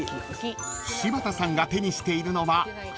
［柴田さんが手にしているのは春の野菜］